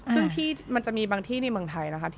ซึ่งที่มันจะมีบางที่ในเมืองไทยนะคะ